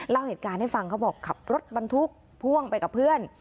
เล่าเหตุการณ์ให้ฟังเขาบอกขับรถบรรทุกพ่วงไปกับเพื่อน